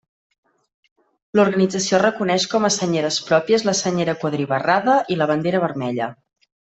L'organització reconeix com a senyeres pròpies la senyera quadribarrada i la bandera vermella.